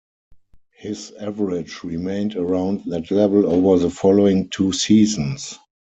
His average remained around that level over the following two seasons.